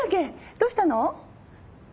どうしたの？